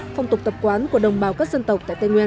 phong tục tập quán của đồng bào các dân tộc tại tây nguyên